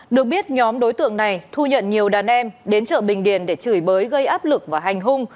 được biết nhóm đối tượng này thu nhận nhiều đàn em đến chợ bình điền để chửi bới gây áp lực và hành hung